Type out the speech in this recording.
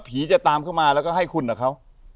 จะตามเข้ามาแล้วก็ให้คุณกับเขา